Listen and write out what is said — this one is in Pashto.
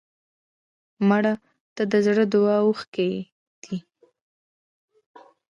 مړه ته د زړه دعا اوښکې دي